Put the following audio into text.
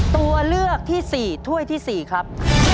ตัวเลือกที่๔ถ้วยที่๔ครับ